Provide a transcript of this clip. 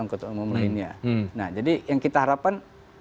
mobil lainnya nah jadi yang kita harapkan